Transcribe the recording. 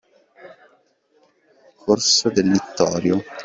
Corso del Littorio.